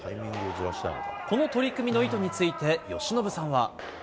この取り組みの意図について、由伸さんは。